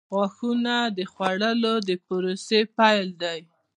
• غاښونه د خوړلو د پروسې پیل دی.